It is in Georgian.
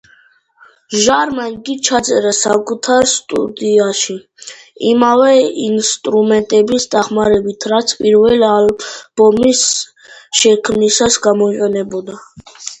ჟარმა იგი ჩაწერა საკუთარ სტუდიაში, იმავე ინსტრუმენტების დახმარებით, რაც პირველი ალბომის შექმნისას გამოიყენებოდა.